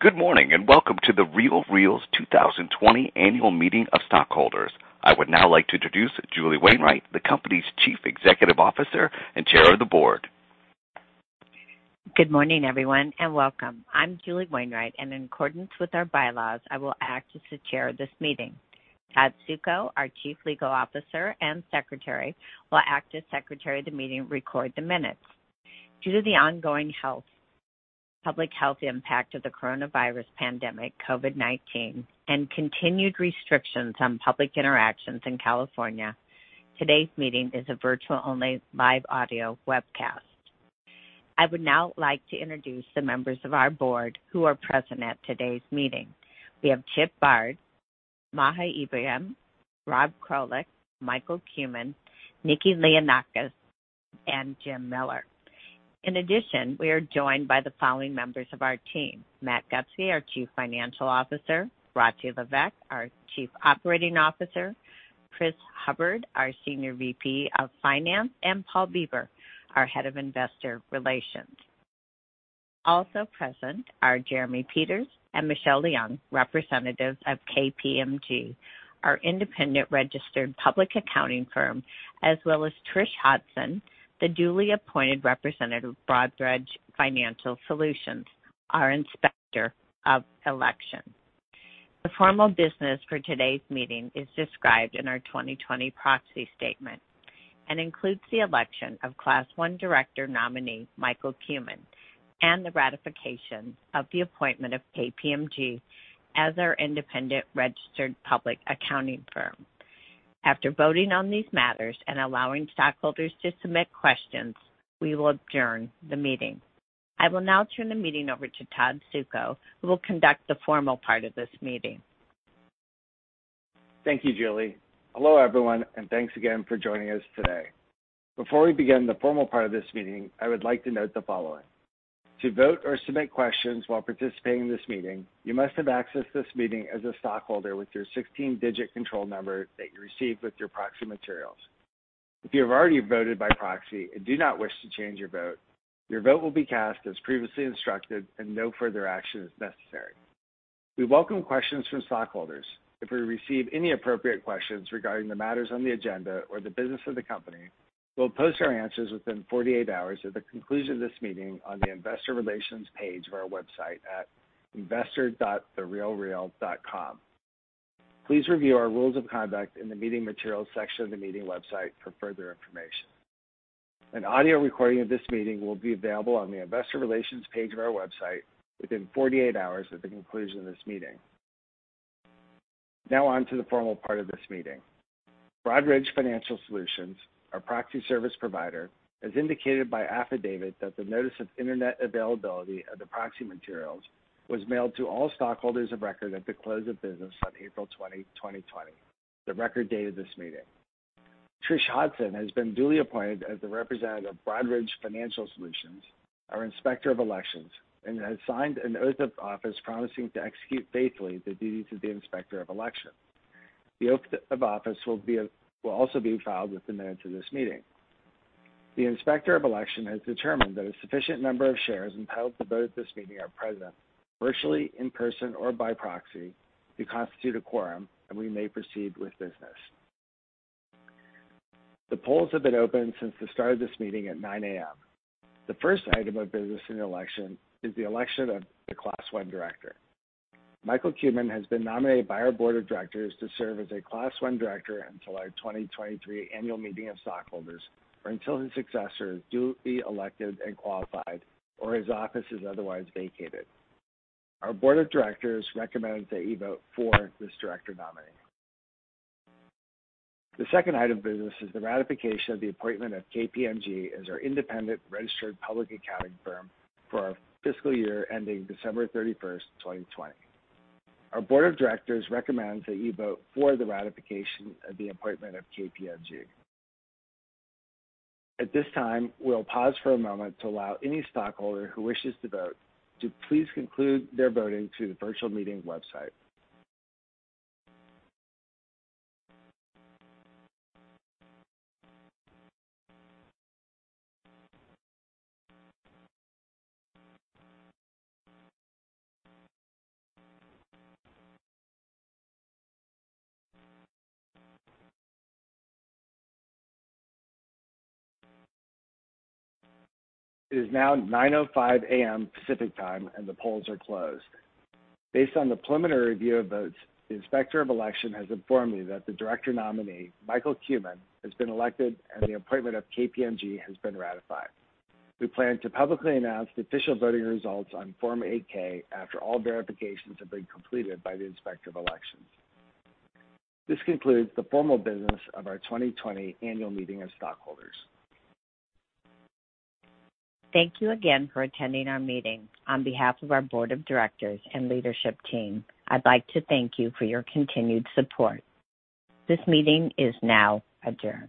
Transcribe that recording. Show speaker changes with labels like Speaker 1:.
Speaker 1: Good morning, welcome to The RealReal's 2020 Annual Meeting of Stockholders. I would now like to introduce Julie Wainwright, the company's Chief Executive Officer and Chair of the Board.
Speaker 2: Good morning, everyone, and welcome. I'm Julie Wainwright, and in accordance with our bylaws, I will act as the chair of this meeting. Todd Suko, our Chief Legal Officer and Secretary, will act as secretary of the meeting and record the minutes. Due to the ongoing public health impact of the coronavirus pandemic, COVID-19, and continued restrictions on public interactions in California, today's meeting is a virtual-only live audio webcast. I would now like to introduce the members of our board who are present at today's meeting. We have Chip Baird, Maha Ibrahim, Rob Krolik, Michael Kumin, Niki Leondakis, and Jim Miller. In addition, we are joined by the following members of our team: Matt Gustke, our Chief Financial Officer, Rati Levesque, our Chief Operating Officer, Chris Hubbard, our Senior VP of Finance, and Paul Bieber, our Head of Investor Relations. Also present are Jeremy Peters and Michelle Leung, representatives of KPMG, our independent registered public accounting firm, as well as Trish Hudson, the duly appointed representative of Broadridge Financial Solutions, our Inspector of Election. The formal business for today's meeting is described in our 2020 proxy statement and includes the election of Class I director nominee Michael Kumin and the ratification of the appointment of KPMG as our independent registered public accounting firm. After voting on these matters and allowing stockholders to submit questions, we will adjourn the meeting. I will now turn the meeting over to Todd Suko, who will conduct the formal part of this meeting.
Speaker 3: Thank you, Julie. Hello, everyone, thanks again for joining us today. Before we begin the formal part of this meeting, I would like to note the following. To vote or submit questions while participating in this meeting, you must have accessed this meeting as a stockholder with your 16-digit control number that you received with your proxy materials. If you have already voted by proxy and do not wish to change your vote, your vote will be cast as previously instructed and no further action is necessary. We welcome questions from stockholders. If we receive any appropriate questions regarding the matters on the agenda or the business of the company, we'll post our answers within 48 hours of the conclusion of this meeting on the investor relations page of our website at investor.therealreal.com. Please review our rules of conduct in the meeting materials section of the meeting website for further information. An audio recording of this meeting will be available on the investor relations page of our website within 48 hours of the conclusion of this meeting. On to the formal part of this meeting. Broadridge Financial Solutions, our proxy service provider, has indicated by affidavit that the notice of internet availability of the proxy materials was mailed to all stockholders of record at the close of business on April 20, 2020, the record date of this meeting. Trish Hudson has been duly appointed as the representative of Broadridge Financial Solutions, our Inspector of Elections, and has signed an oath of office promising to execute faithfully the duties of the Inspector of Election. The oath of office will also be filed with the minutes of this meeting. The Inspector of Election has determined that a sufficient number of shares entitled to vote at this meeting are present, virtually, in person, or by proxy, to constitute a quorum, and we may proceed with business. The polls have been open since the start of this meeting at 9:00 A.M. The first item of business in the election is the election of the Class 1 director. Michael Kumin has been nominated by our board of directors to serve as a Class 1 director until our 2023 annual meeting of stockholders or until his successor is duly elected and qualified or his office is otherwise vacated. Our board of directors recommends that you vote for this director nominee. The second item of business is the ratification of the appointment of KPMG as our independent registered public accounting firm for our fiscal year ending December 31st, 2020. Our board of directors recommends that you vote for the ratification of the appointment of KPMG. At this time, we'll pause for a moment to allow any stockholder who wishes to vote to please conclude their voting through the virtual meeting website. It is now 9:05 A.M. Pacific Time, and the polls are closed. Based on the preliminary review of votes, the Inspector of Election has informed me that the director nominee, Michael Kumin, has been elected, and the appointment of KPMG has been ratified. We plan to publicly announce the official voting results on Form 8-K after all verifications have been completed by the Inspector of Elections. This concludes the formal business of our 2020 annual meeting of stockholders.
Speaker 2: Thank you again for attending our meeting. On behalf of our board of directors and leadership team, I'd like to thank you for your continued support. This meeting is now adjourned.